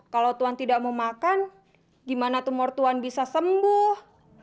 kalau tuhan tidak mau makan gimana tumor tuan bisa sembuh